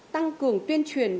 tăng cường tuyên truyền